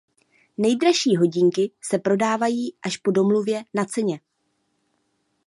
Nejdražší hodinky se prodávají až po domluvě na ceně.